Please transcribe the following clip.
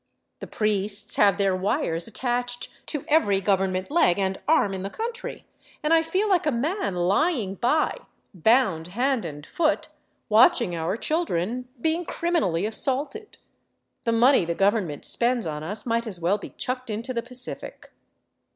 The priests have their wires attached to every govern ment leg and arm in the country, and I feel like a man lying by, bound hand and foot, watching our children being criminally assaulted. The money the government spends on us might as well be chucked into the Pacific."